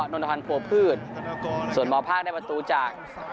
นนทพันธ์โพพืชส่วนมภาคได้ประตูจาก